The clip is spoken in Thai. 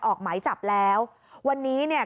ออกหมายจับแล้ววันนี้เนี่ย